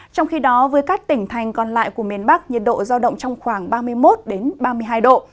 trong khi đó với các tỉnh thành còn lại của miền bắc nhiệt độ giao động trong khoảng ba mươi một ba mươi hai độ